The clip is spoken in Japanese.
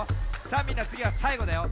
さあみんなつぎはさいごだよ。